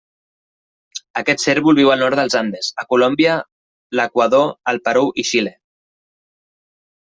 Aquest cérvol viu al nord dels Andes, a Colòmbia, l'Equador, el Perú i Xile.